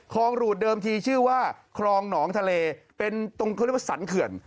หรูดเดิมทีชื่อว่าคลองหนองทะเลเป็นตรงเขาเรียกว่าสรรเขื่อน